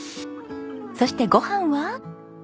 そしてご飯は。